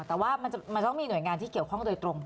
แต่ว่ามันต้องมีหน่วยงานที่เกี่ยวข้องโดยตรง